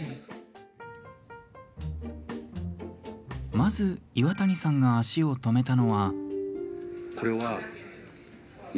まず岩谷さんが足を止めたのは。